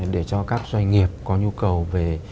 để cho các doanh nghiệp có nhu cầu về